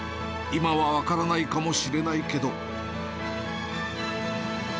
今は分からないかもしれないけど。